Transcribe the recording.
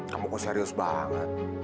kamu kok serius banget